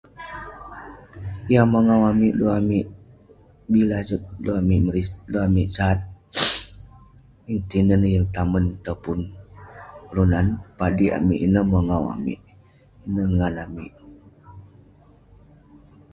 Yah mongau amik dan amik bi laset, dan amik merisak..dan amik sat, yeng tinen yeng tamen, topun..kelunan, padik amik..ineh mongau amik..ngan amik.